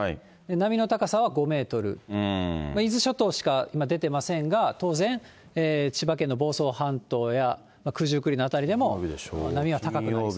波の高さは５メートル、伊豆諸島からしか今出てませんが、当然、千葉県の房総半島や九十九里の辺りでも、波が高くなりそうです。